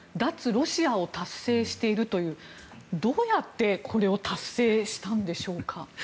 ロシアを達成しているというどうやってこれを達成したんでしょうか。